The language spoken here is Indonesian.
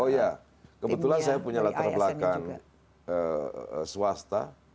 oh ya kebetulan saya punya latar belakang swasta